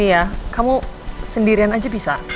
iya kamu sendirian aja bisa